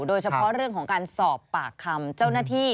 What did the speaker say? โดยเฉพาะเรื่องของการสอบปากคำเจ้าหน้าที่